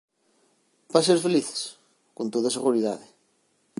Para ser felices? Con toda seguridade.